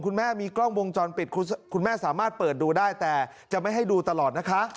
คุณแม่มีกล้องวงจรปิดคุณแม่สามารถเปิดดูได้แต่จะไม่ให้ดูตลอดนะคะ